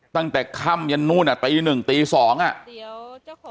ตั้งแต่ค่ำยันนู่นอ่ะตีหนึ่งตีสองอ่ะเดี๋ยวเจ้าของ